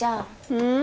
うん？